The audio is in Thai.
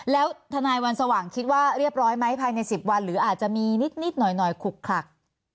แล้วทนายวันสว่างคิดว่าเรียบร้อยไหมภายใน๑๐วันหรืออาจจะมีนิดหน่อยขุกขลัก